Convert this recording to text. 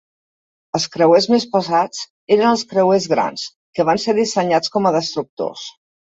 Els creuers més pesats eren els creuers grans, que van ser dissenyats com a destructors.